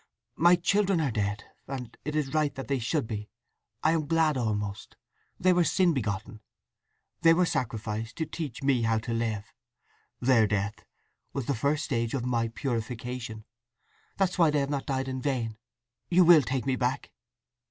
"My children—are dead—and it is right that they should be! I am glad—almost. They were sin begotten. They were sacrificed to teach me how to live! Their death was the first stage of my purification. That's why they have not died in vain! … You will take me back?"